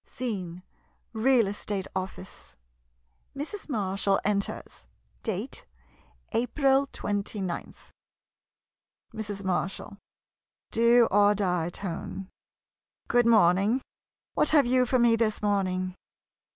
Scene — Real Estate Office. Mrs. Marshall enters. Date — "April 29th. Mrs. Marshall [Do or die tone.] Good morning. What have you for me this morning?